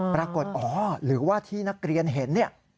ปรากฏอ๋อหรือว่าที่นักเรียนเห็น